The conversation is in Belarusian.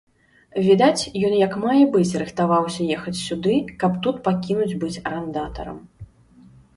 Відаць, ён як мае быць рыхтаваўся ехаць сюды, каб тут пакінуць быць арандатарам.